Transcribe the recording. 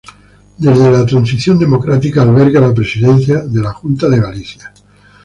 Desde la transición democrática alberga la Presidencia de la Junta de Galicia.